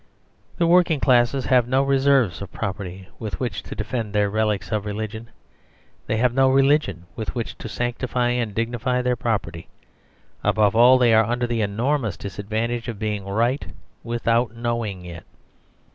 The working classes have no reserves of property with which to defend their relics of religion. They have no religion with which to sanctify and dignify their property. Above all, they are under the enormous disadvantage of being right without knowing it.